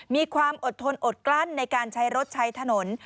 มีความอดทนอดกลั้นในการใช้รถใช้ถนน